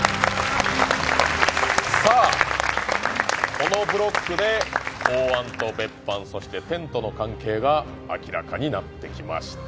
このブロックで、公安と別班、そしてテントの関係が明らかになってきました。